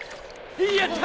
やった！